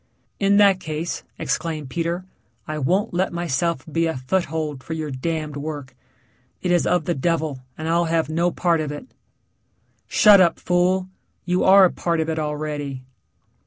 "In that case," exclaimed Peter, "I won't let myself be a foothold for your damned work it is of the devil and I'll have no part of it." "Shut up, fool. You are a part of it already."